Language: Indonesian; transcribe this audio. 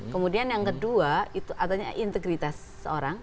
kemudian yang kedua itu artinya integritas seorang